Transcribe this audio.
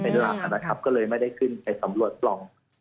เป็นหลักนะครับก็เลยไม่ได้ขึ้นไปสำรวจปล่อง